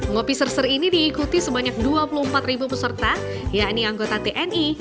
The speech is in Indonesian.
ngopi serser ini diikuti sebanyak dua puluh empat ribu peserta yakni anggota tni